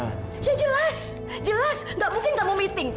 ya jelas jelas gak mungkin kamu meeting